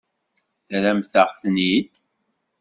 Terramt-aɣ-ten-id?